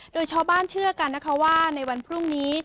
โดยชาวบ้านเชื่อกันนะคะว่าในวันพรุ่งนี้